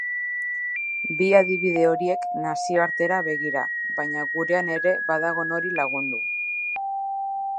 Bi adibide horiek nazioartera begira baina gurean ere badago nori lagundu.